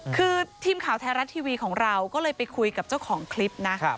คือทีมข่าวไทยรัฐทีวีของเราก็เลยไปคุยกับเจ้าของคลิปนะ